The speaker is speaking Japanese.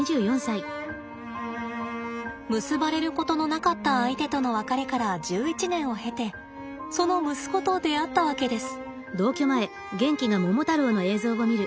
結ばれることのなかった相手との別れから１１年を経てその息子と出会ったわけです。